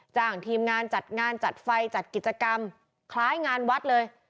จ้างทีมงานจัดงานจัดไฟจัดกิจกรรมคล้ายงานวัดเลย